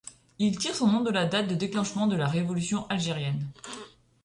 Il tire son nom de la date de déclenchement de la révolution algérienne.